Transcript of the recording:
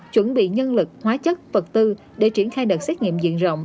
chuẩn bị nhân lực hóa chất vật tư để triển khai đợt xét nghiệm diện rộng